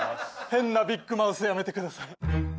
変なビッグマウスやめてください。